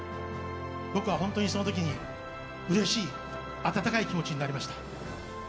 僕はその時にうれしい、温かい気持ちになりました。